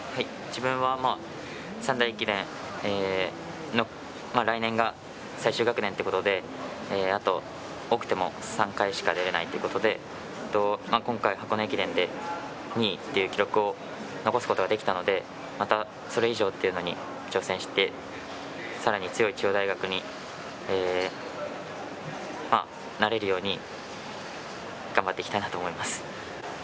３大駅伝、来年が最終学年ということで多くても３回しか出られないということで、今回の箱根駅伝で２位という記録を残すことができたので、それ以上に挑戦して、さらに強い中央大学になれるように頑張っていきたいと思います。